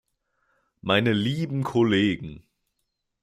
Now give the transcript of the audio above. Meine lieben Kollegen!